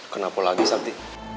kenapa lagi sakti